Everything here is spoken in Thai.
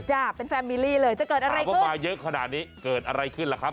เป็นแฟนมิลี่เลยจะเกิดอะไรขึ้นก็มาเยอะขนาดนี้เกิดอะไรขึ้นล่ะครับ